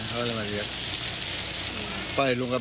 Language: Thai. ก็พอวันนั้นรอดกลุ่ยชีศมา